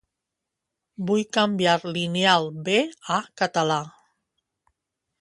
Vull canviar Lineal B a català.